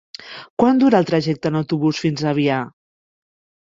Quant dura el trajecte en autobús fins a Avià?